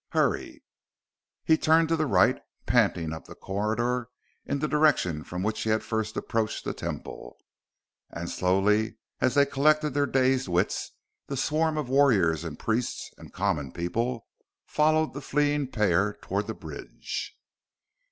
Hurry!" He turned to the right, panting up the corridor in the direction from which he had first approached the Temple. And slowly, as they collected their dazed wits, the swarm of warriors and priests and common people followed the fleeing pair toward the bridge.